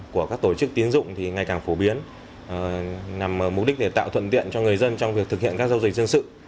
các tổ chức tiến dụng ngày càng phổ biến nằm mục đích tạo thuận tiện cho người dân trong việc thực hiện các giao dịch dương sự